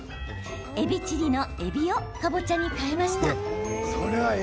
えびチリのえびをかぼちゃに換えました。